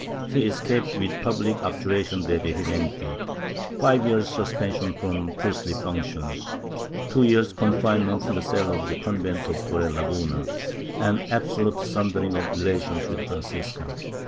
He^ escaped with public abjuration de vehementi, five years' suspension from priestly functions, two years' confinement in a cell of the convent of Torrelaguna, and absolute simdering of relations with Francisca.